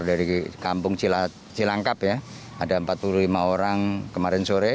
dari kampung cilangkap ya ada empat puluh lima orang kemarin sore